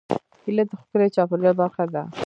هیلۍ د ښکلي چاپېریال برخه ده